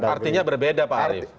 artinya berbeda pak arief